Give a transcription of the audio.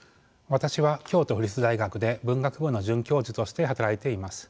私は京都府立大学で文学部の准教授として働いています。